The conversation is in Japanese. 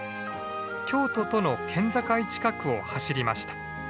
京都との県境近くを走りました。